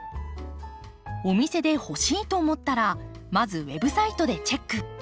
お店で欲しいと思ったらまずウェブサイトでチェック。